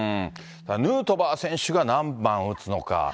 ヌートバー選手が何番を打つのか。